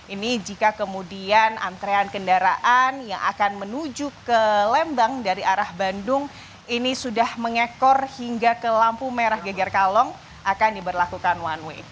ini jika kemudian antrean kendaraan yang akan menuju ke lembang dari arah bandung ini sudah mengekor hingga ke lampu merah geger kalong akan diberlakukan one way